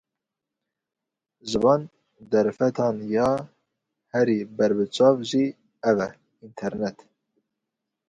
Ji van derfetan ya herî berbiçav jî ev e: înternet